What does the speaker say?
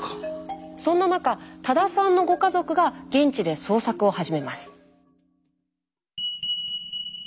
そんな中多田さんのご家族が現地で捜索を始めます。